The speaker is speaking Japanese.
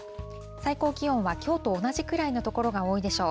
最高気温はきょうと同じくらいの所が多いでしょう。